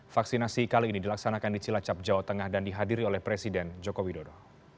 vaksinasi kali ini dilaksanakan di cilacap jawa tengah dan dihadiri oleh presiden joko widodo